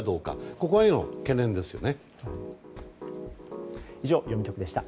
ここが今の懸念ですね。